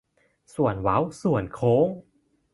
ส่วนเว้าส่วนโค้ง